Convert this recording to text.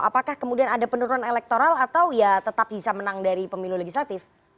apakah kemudian ada penurunan elektoral atau ya tetap bisa menang dari pemilu legislatif